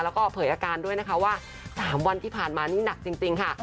แล้วก็เผยอาการด้วยนะคะว่า๓วันที่ผ่านมานี่หนักจริงค่ะ